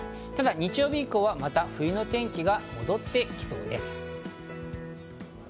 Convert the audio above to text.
日曜日以降はまた冬の天気が戻ってきそうです。